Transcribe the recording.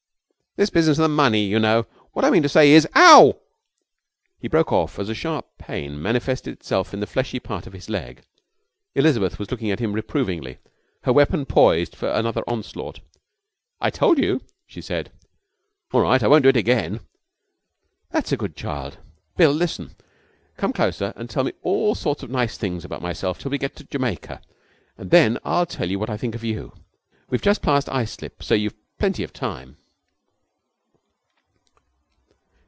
'This business of the money, you know. What I mean to say is Ow!' He broke off, as a sharp pain manifested itself in the fleshy part of his leg. Elizabeth was looking at him reprovingly, her weapon poised for another onslaught. 'I told you!' she said. 'All right, I won't do it again.' 'That's a good child. Bill, listen. Come closer and tell me all sorts of nice things about myself till we get to Jamaica, and then I'll tell you what I think of you. We've just passed Islip, so you've plenty of time.'